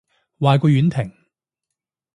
壞過婉婷